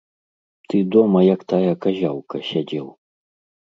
Ты дома, як тая казяўка, сядзеў.